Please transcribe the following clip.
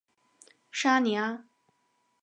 沙尼阿。